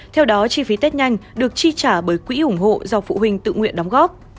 theo đó chi phí tết nhanh được chi trả bởi quỹ ủng hộ do phụ huynh tự nguyện đóng góp